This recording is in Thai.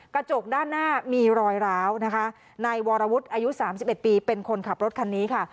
กระจกด้านหน้ามีรอยราวนะคะในวรวุฒิอายุสามสิบเอ็ดปีเป็นคนขับรถคันนี้ค่ะ